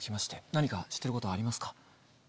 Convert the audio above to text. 何か知ってることはありますか？